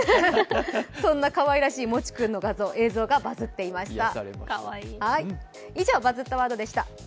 そんなかわいらしいもち君の映像がバズっていました。